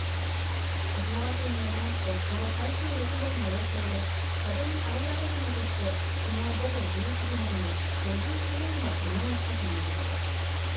沖縄県によりますと、この台風６号の影響で、風にあおられるなどしてきのう午後１１時までに、５９人がけがをしたということです。